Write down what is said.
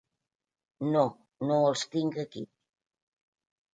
No, no els tinc aquí.